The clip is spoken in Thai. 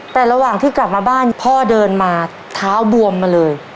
แต่ระหว่างที่กลับมาบ้านพ่อเดินมาเท้าบวมมาเลย